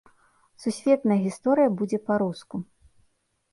Сусветная гісторыя будзе па-руску.